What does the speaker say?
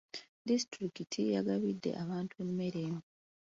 Disitulikiti yagabidde abantu emmere.